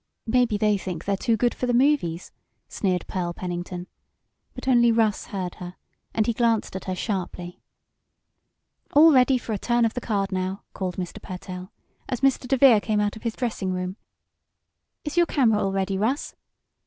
"Maybe they think they're too good for the movies," sneered Pearl Pennington, but only Russ heard her, and he glanced at her sharply. "All ready for 'A Turn of the Card' now!" called Mr. Pertell, as Mr. DeVere came out of his dressing room. "Is your camera all ready, Russ?"